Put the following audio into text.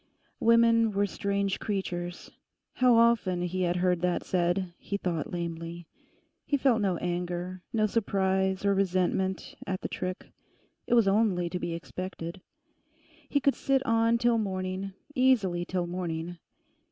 Women were strange creatures. How often he had heard that said, he thought lamely. He felt no anger, no surprise or resentment, at the trick. It was only to be expected. He could sit on till morning; easily till morning.